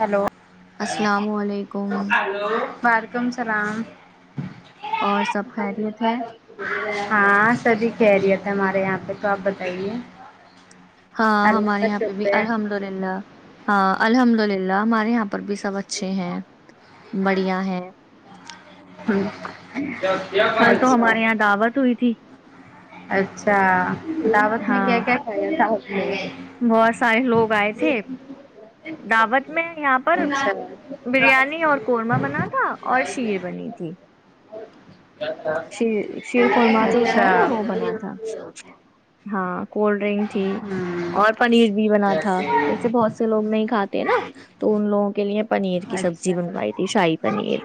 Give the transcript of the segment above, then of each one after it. hello السلام علیکم وعلیکم السلام اور سب خیریت ہے ہاں سبھی خیریت ہے ہمارے یہاں پہ تو آپ بتائیے ہاں اللہ ہمارے کا یہاں پہ بھی شکر ہے الحمد للہ ہاں الحمد للہ ل لا ہمارے آپ بھی سب اچھے ہیں بڑھیا ہے کل تو اچھا ہمارے یہاں دعوت ہوئی تھی اچھا لاوت میں کیا ہاں کیا کھایا تھا نے بہت سارے لوگ آئے تھے دعوت میں یہاں پر اچھا بریانی اور قورمہ بنا تھا اور شیر بنی تھی شیر شیر خورما جو ہوتا اچھا ہے نا وہ بنا تھا ہاں کولڈ ڈرنک تھی ہمم اور پنیر بھی بنا تھا جیسے بہت سے لوگ نہیں کھاتے نا تو ان لوگوں کے لیے پنیر کی سبزی اچھا بنوائی تھی شاہی پنیر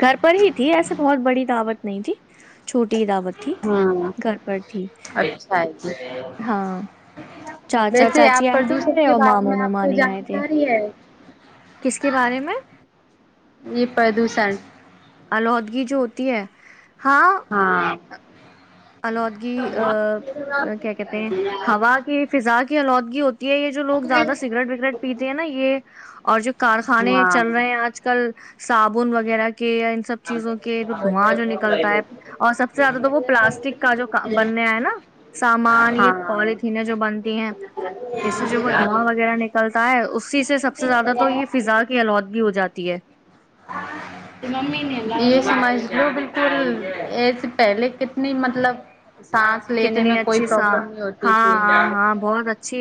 گھر پر ہی تھی ایسے بہت بڑی دعوت نہیں تھی چھوٹی دعوت تھی ہاں گھر پر تھی اچھا جی ہاں چاچا ویسے چاچی آپ آئے تھے پردوشن میرے کے اور بارے ماموں میں آپ کو ممانی آئے تھے جانکاری ہے کس کے بارے میں [inaudible] یہ پردوشن آلودگی جو ہوتی ہے ہاں آلودگی ا کیا کہتے ہیں ہوا کی فضا کی آلودگی ہوتی ہے یہ جو لوگ زیادہ سگریٹ وگریٹ پیتے ہیں نا یہ اور جو کارخانے ہاں چل رہے ہیں آج کل صابن وغیرہ یا ان سب چیزوں کے دھواں جو نکلتا ہے اور سب سے زیادہ تو وہ پلاسٹک کا جو بننے ہے نا سامان یہ ہاں پالتھینیں جو بنتی ہیں اس سے جو وہ دھواں وغیرہ نکلتا ہے اسی سے سب سے زیادہ تو یہ فضا کی آلودگی ہو جاتی ہے ممی یہ سمجھ لو بالکل ای سے پہلے کتنی مطلب سانس لینے کتنی میں کوئی اچھی سا پرابلم نہیں ہوتی ہاں تھی ہاں ہاں بہت اچھی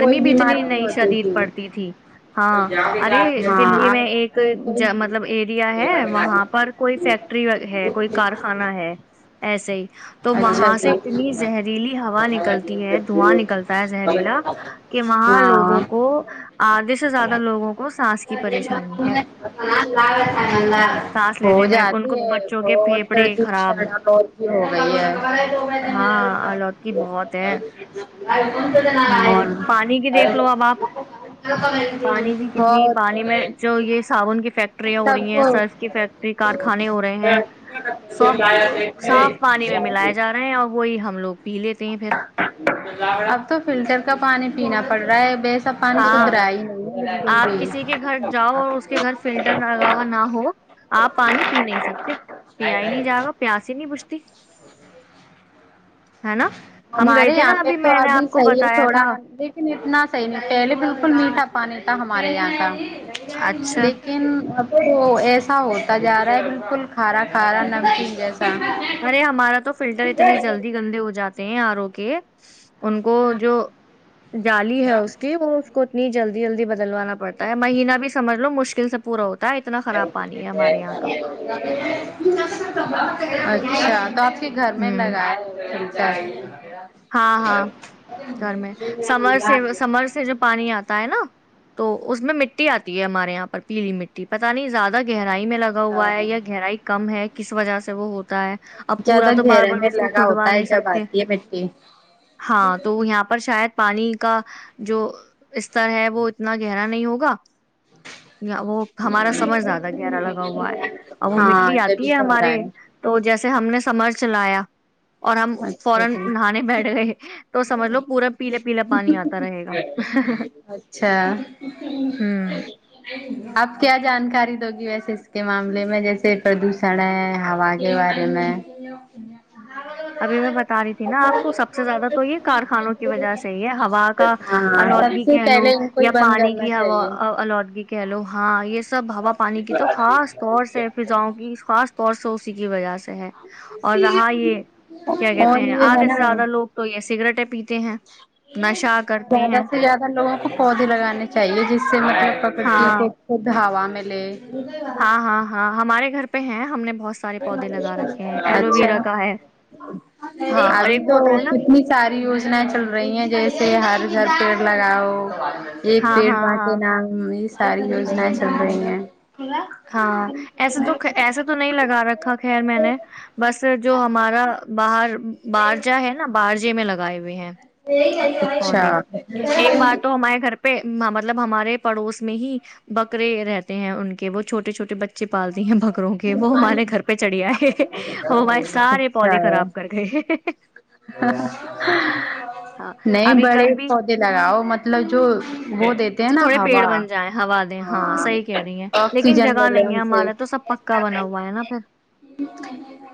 کوئی بھی بیماری اتنی نہیں نہیںئی ہوتی شدید پڑتی تھی ہاں ارے ہاں دلی آج میں ایک تو کوئی مطلب ایریا ہے وہاں یہاں پر کوئی فیکٹری ہے کوئی کارخانا ہے ایسے ہی تو اچھا وہاں سے جچی اتنی زہریلی ہوا نکلتی ہے دھواں نکلتا ہے زہریلا کہ وہاں ہاں لوگوں کو آدھے سے زیادہ لوگوں کو سانس کی پریشانی ہے سانس ہو لینے میں ان جاتی کو ہے بچوں کے پھیپھڑے خراب ہے نہیں ہے ہاں آلودگی بہت ہے اور ہے پانی کی دیکھ لو اب آپ پانی کی کتنی بہت پانی میں جو یہ صابن کی فیکٹریاں ہو سب رہی ہیں کو سرف کی فیکٹری کارخانے ہو رہے ہیں سب صاف پانی میں ملاائے جا رہے ہیں اور ہم لوگ پی لیتے ہیں پھر اب تو فلٹر کا پانی پینا پڑ رہا ہے بیس ہاں آپ بھی کسی کے گھر جاؤ اور اس کے گھر فلٹر لگاوا نہ ہو آپ پانی پی نہیں سکتے پیا ہی نہیں جائے گا پیاسی ہی نہیں بوجھتی ہمارے یہاں پہ تو میں نے ابھی آپ کو صحیح ہے بتایا تھوڑا تھا لیکن نہ صحیح نہیں پہلے بالکل میٹھا پانی تھا ہمارے یہاں کا اچھا لیکن اب [unintelligible] تو ایسا ہوتا جا رہا ہے بالکل کھارا [unintelligible] ہارا نمک جیسا [unintelligible] ارے ہمارا تو فلٹر اتنے جلدی گندے [unintelligible] ہو جاتے ہیں آر ا کے [unintelligible] ان کو جو جالی ہے اس کی وہ [unintelligible] اتنی جلدی جلدی ب [unintelligible] ڈلوانا پڑتا ہے مہینہ بھی سجھ لو مشکل [unintelligible] س پورا ہوتا [unintelligible] [inaudible] خراب پانی ہے ہمارے یہاں کا اچھا د [unintelligible] کے گھر میں ہوں لگائےیا [unintelligible] چاہے [unintelligible] ہاں ہاں گھر میں سمر سے سمر سے جو پانی آتا ہے نا تو اس میں مٹی آتی ہے ہمارے یہاں پر پیلی مٹی پتا نہیں زیادہ گہرنا میں لگا ہوا ہے اچھا یا گہرائی کم ہے [unintelligible] کس وجہ سے وہ ہوتا ہے [unintelligible] پورا زیادہ تو بار گہر بار میں اس کو لگا کھودوا ہوتا ہے نہیں جب سکتے آتی ہے م ہاں تو یہاں پر شاید پانی کا جو استر ہے وہ اتنا گہرا نہیں ہوگا [unintelligible] وہ ہمارا سمجھ زیاد ہے گہرا لگا ہوا ہے اور وہ ہاں مٹی جبھی آتی ہے تو ہو رہا ہمارے تو جیسے ہم نے سمجھ چلایا [unintelligible] اور ہم اچھا فورن جی [unintelligible] کھانے بیٹھ گئے تو سمجھ لو پورا پیلا پیلا پانی آتا رہے گا اچھا ہوں [unintelligible] آپ کیا جانکاری دو گی ویسے اس کے معاملے میں جیسے پردوشن ہے ہوا کے بارے میں ابھی میں بتا رہی تھی نا آپ کو سب سے زیادہ تو یہ کارخانوں کی وجہ سے ہی ہے ہوا کا ہاں سب آلودگی سے کہہ لو پہلے ان کو ہی یا بند پانی کرنا کی ہوا چاہیے آلودگی کہہ لو ہاں یہ سب ہوا پانی کی تو خاص طور سے فضاؤں کی خاص [unintelligible] اور سو اسی کی وجہ سے [unintelligible] ہے اور رہا یہ کیا کہتے اور ہیں یہ ہے آدھے سے نا زیادہ لوگ تو یہ سگریٹیں پیتے ہیں نشہ کرتے زیادہ ہیں سے زیادہ لوگوں کو پودے لگانے چاہیے جس سے مطلب پکتی ہاں کوود [unintelligible] ہوا میںیل [unintelligible] ہاں ہاں ہاں ہمارے گھر پ ہیں ہم نے بہت سارے پودے لگا رکھے ہیں ایلو اچھا ویرا کا ہے ہاں اور ابھی ایک وہ تو ہوتا ہے نا کتنی ساری یوجنایں چل رہی ہیں جیسے ہر گھر پیڑ لگاؤ ایک ہاں پیڑ ہاں م ہاں نام ساری یوجنائیں چل رہی ہیں ہاں ایسے تو ایسا تو نہیں لگتا گا رکھا خیر میں نے بس جو ہمارا باہر باہر جا ہے نا کارجے میں لگائے ہوئے ہیں اچھا پ مطلب ہمارے پڑوس میں ہی بکرے رہتے ہیں ان وہ چھٹے چھٹے بچے پالتی ہیں بہت وں کے وہ ہمارے گھر پہ چڑھی آئے ہم ہمارے سارے اچھا پودے خراب کر گئے [inaudible] ہاں نہیں ابھی بڑے کل بھی پودے لگاؤ مطلب جو وہ دیتے ہیں جو نا تھوڑے پیڑ ہوا بن جائیں ہوا دیں ہاں صحیح کہہ رہی ہیں لیکن آکسیجن جگہ ملے نہیں ان ہے سے ہمارا تو سب پکا بنا ہوا ہے نا پھر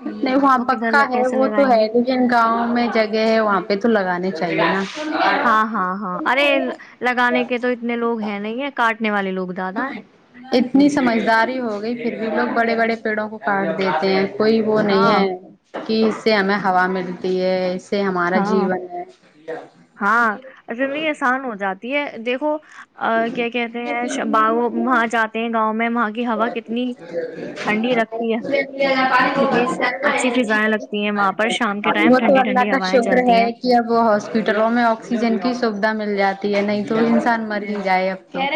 نہیں وہاں وہ کدھر پکا ل- ہے کیسے وہ تو لگائیں گے ہےن گاؤں میں جگہ ہے وہاں پہ تو لگانے چاہیے نا ہاں ہاں ہاں ارے لگانے کے تو اتنے لوگ ہیں نہیں ہے کٹ والے لوگ زیادہ ہیں اتنی سمجھداری ہو گئی پھر بھی لوگ بڑے بڑے پیڑوں کو کاٹ دیتے ہیں کوئی وہ نہیں ہاں ہے کہ اس سے ہمیں ہوا ملتی ہے سے ہمارا ہاں جیون ہے یہ دیکھو ا کیا کہتے ہیں ب ہے وہاں جاتے ہیں گاؤں میں وہاں کی ہوا کتنی ٹھنڈی وہ لگتی ہے کتنی اچھی فضائیں لگتی ہے وہاں پر شام کے ٹائم تو ٹھنڈی اللہ ٹھنڈی کا ہوا شکر ہے کہ اب ہاسپٹلوں میں آکسیجن کی سویدھا مل جائے آتی ہے نہیں تو انسان مری م جائے اب کہ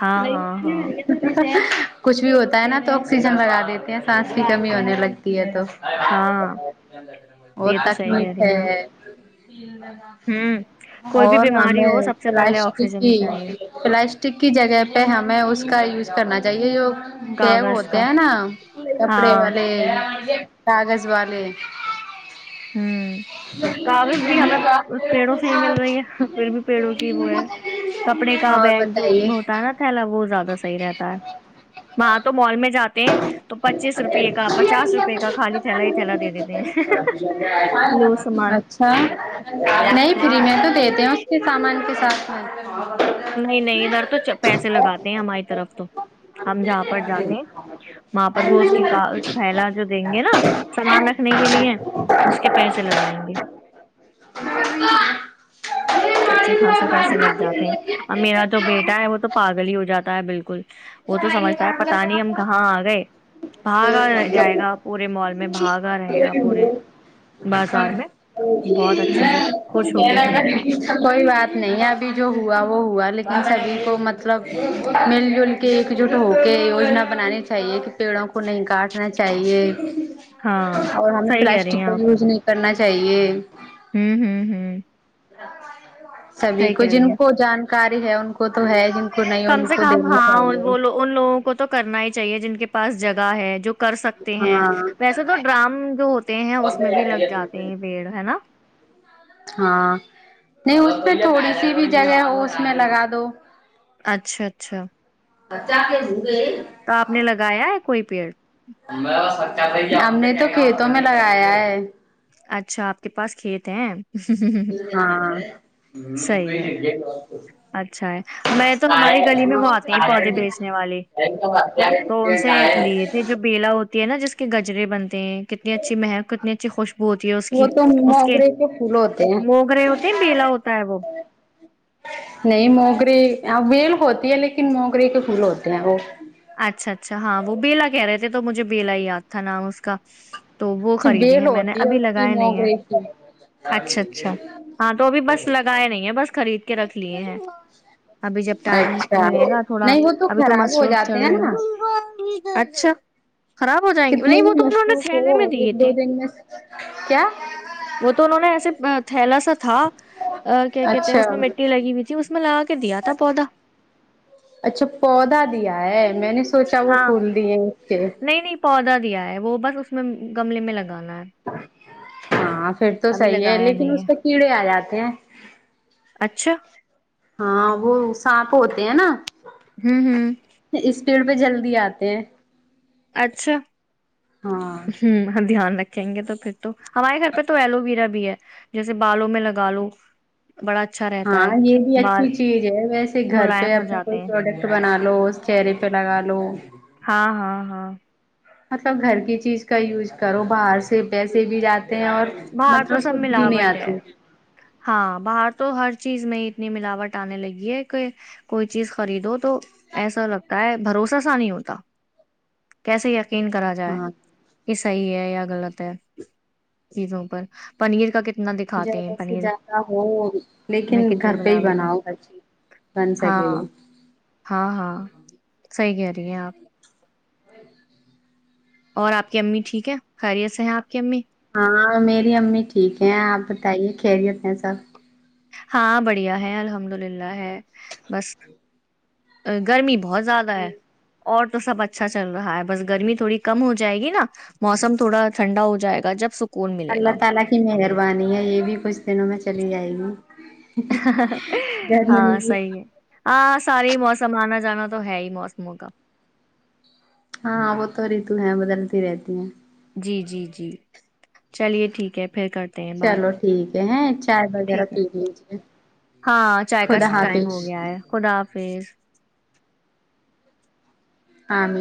ہاں ل ہاں ن ہاں ا کتا تھایا کچھ بھی ہوتا ہے نا تو آکسیجن لگا دیتے ہیں سانس کی کمی ہونے لگ تو ہاں ب یہ تو صحیح کہہ تکلیف رہی ہیں آپ ہے ہوں کوئی بھی اور بیماری ہمیں ہو سب سے پہلے پلاسٹک آکسیجن ہی چاہیے [unintelligible] پلاسٹک کی جگہ پہ ہمیں اس کا یوز کرنا چاہیے جو بیگ کاغذ ہوتے کا ہیں نا کپڑے ہاں والے [unintelligible] کاغذ والے [unintelligible] ہوں کاغذ بھی ہمیں پیڑوں سے ہی مل رہی ہے پھر بھی پیڑوں کی وہ ہے [unintelligible] کپڑے کا اور بیگ جو بتائیے ہوتا ہے نا تھیلا وہ زیادہ صحیح رہتا ہے وہاں تو مال میں جاتے ہیں تو پچیس روپیے کا پچاس روپئے کا خالی تھیلا ہی تھیلا دے دیتے ہیں لو سامان اچھا نہیں ہاں فری میں تو دیتے ہیں اس کے ساتھ [unintelligible] سامان کے ساتھ [unintelligible] ہوں [unintelligible] نہیں نہیں ادھر تو پیسے لگاتے ہیں ہماری طرف تو ہم جہاں پر جاتے ہیں وہاں پر وہ اس کی کا میں پھیلا جو دیں گے نا سامان رکھنے کے لیے اس کے پیسے لگائیں گے کوئی اچھے خاص [unintelligible] سے پیسے لگ جاتے ہیں اب میرا جو بیٹا ہے وہ تو پاگل ہی ہو جاتا ہے بالکل [unintelligible] وہ تو سمجھتا ہے پتا نہیں ہم کہاں آ گئے بھاگا جائے گا پورے مال میں بھاگا رہے گا پورے بازار میں بہت اچھے سے خوش ہو کے کھیلتا ہے [unintelligible] کوئی بات نہیں ابھی جو ہوا وہ ہوا لیکن سبھی کو مطلب مل جل کہ ایک جٹ ہو کے یجنا بنانی چاہیے کہ پیڑوں کو نہیں کاٹنا چاہیے ہاں [unintelligible] اور ہمیں صحیح کہہ رہی پلاسٹک ہیں کا آپ یوز نہیں [unintelligible] کرنا چاہیے [unintelligible] ہوں ہوں ہوں ا [inaudible] سبھی صحیح کو کہہ جن رہی ہیں کو جانکاری [unintelligible] ہے ان کو تو ہے جن کو [unintelligible] کو نہیں کم ان سے کو کم دین [unintelligible] ہاں وہ ان لوگوں کو تو کرنا ہی چاہیے جن کے پاس جگہ [unintelligible] ہے جو [unintelligible] کر سکتے ہیں ویسے تو ہاں ڈرام جو ہوتے ہیں اس میں بھی لگ جاتے ہیں پیڑ ہے نا [unintelligible] ہاں نہیں اس پہ تھوڑی سی بھی جگہ ہو اس میں لگا دو اچھا اچھا [unintelligible] پچا کے جی [unintelligible] تو آپ نے لگایا [unintelligible] کوئی پئی اور [unintelligible] میں س [unintelligible] ہم نے تو کھیتوں میں لگایا ہے [unintelligible] اچھا آپ کے پاس کھیت ہیں [unintelligible] ہاں صحیح ہے ہ اچھا ہے میں تو ہماری گلی میں وہ آتی ہیں پودے بیچنے والے تو ان سے لیے تھے جو بیلا ہوتی ہے نا جس کے گج کجرے بنتے ہیں کتنی اچھی مہک کتنی اچھی خوشبو ہوتی ہے اس وہ کی تو اس کے موگرے پھول ہوتے ہیں موگررے ہوتے ہیں بیلا ہوتا ہے وہ نہیں موگرے ویل ہوتی ہے لیکن موگرے کے پھول ہوتے ہیں وہ اچھا اچھا ہاں وہ بیلا کہہ رہے تو مجھے بیلا یاد تھا نام اس کا تو وہ خریدے بیل ہیں میں نے ہوتی ہے ابھی اس کی لگائے نہیں ہیں موگرے کی اچھا اچھا ہاں تو ابھی بس لگائے نہیں ہے بس خرید کے رکھ لیے ہیں ابھی جب ٹائم اچھا ملے گا تھوڑا نہیں وہ تو ابھی خراب ہو مصروف جاتا اچھا خراب ہو جائیں گے کتنے نہیں وہ بھی تو انہوں نے مصروف تھھیلے میں ہو ایک دیے تھے دو دن میں کیا وہ تو انہوں نے ایسے تھیلا سا تھا ا کیا کہتے ہیں اس میں اچھا مٹی لگی ہوئی تھی اس میں لگا کے دیا تھا پودا اچھا پودا دیا میں نے سوچا وہ ہاں پھول دیے اس کے نہیں نہیں پودا دیا وہ بس اس میں گملے میں لگا ہاں پھر تو ابھی صحی ہے لگایا لیکن نہیں اس ہے پہ کیڑے آ جاتے ہیں اچھا ہاں وہ سانپ ہوتا ہیں نا ہوں ہوں پڑ پہ جلدی آتے ہیں اچھا ہاں ہوں ہ دھیان رکھ کھیں گے تو پھر تو ہمارے گھر پہ تو ایلو ویرا بھی ہے جیسے بالوں میں لگا لو بڑا اچھا رہتا ہاں ہے یہ بھی بال اچھی چیز ہے ویسے گھر پہ ملائم ہو اپنا جاتے کوئی ہیں پروڈکٹ بنا رہا لو چہرے پہ لگا لو ہاں ہاں ہاں مطلب گھر کی چیز کا یوز کرو باہر سے پیسے بھی جاتے ہیں اور باہر تو مطلب سب سدھ بھی نہیں ملاوٹ ہے آتی ہاں باہر تو ہر چیز میں اتنی ملاوٹ آنے لگی ہے کہ کوئی چیز خریدو تو ایسا لگتا ہے بھروس سا نہیں ہوتا کیسے ین کرا جائے ہاں [unintelligible] یہ صحی ہے یا غلط ہے چیزوں پر پنیر کا کت زیادہ سے زیادہ ہو لیکن میں کتنی گھر پہ ہی ملاوٹ ہے بناؤ ہر چیز بن ہاں سکے وہ ہاں ہاں صحیح کہہ رہی ہیں آپ اور آپ کی امی ٹھیک ہے خیریت سے ہیں آپ کی امی ہاں میری امی ٹھیک ہے آپ بتائیے خیریت ہیں سب ہاں بڑھیا ہے الحمد للہ ہے بس گرمی بہت زیادہ ہے اور تو سب اچھا چل رہا ہے بس گرمی تھوڑی کم ہو جائے گی نا موسم تھوڑا ٹھنڈا ہو جائے گا جب س [inaudible] چلی آئی گی ہاں ضروری صحی ہے ہاں سارے ہی موسم آنا جانا تو ہے ہی موسم ہوگا ہاں ہاں وہ تو ریتو ہیں بدلتی رہتی ہیں جی جی جی چلیے ٹھیک ہے پھر کرتے ہیں بات چلو ٹھیک ہے ہیں چائے وغیرہ ٹھیک ہے پی لیجیے ہاں چائے کا خدا ٹائم ہو حافظ گیا ہے خدا حافظ ہاں ج [unintelligible]